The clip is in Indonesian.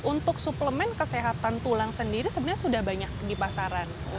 untuk suplemen kesehatan tulang sendiri sebenarnya sudah banyak di pasaran